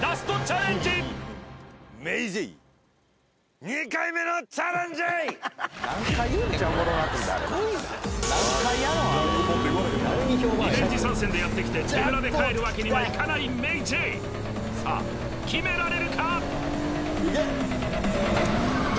リベンジ参戦でやってきて手ぶらで帰るわけにはいかないＭａｙＪ．さあ決められるか？